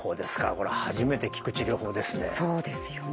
これは初めて聞く治療法ですね。